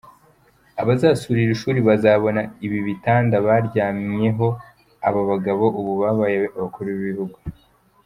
Abazasura iri shuri bazabona ibi bitanda byaryamyeho aba bagabo ubu babaye Abakuru b’Igihugu.